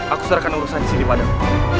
aku serahkan urusan di sini padang